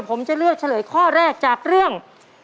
ผมจะเลือกเฉลยข้อแรกจากเรื่อง